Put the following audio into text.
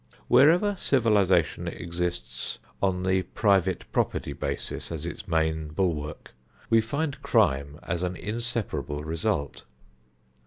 Wherever civilization exists on the private property basis as its main bulwark, we find crime as an inseparable result.